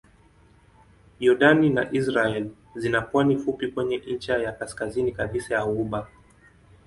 Yordani na Israel zina pwani fupi kwenye ncha ya kaskazini kabisa ya ghuba.